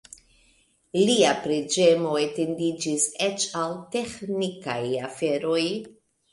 Lia preĝemo etendiĝis eĉ al teĥnikaj aferoj.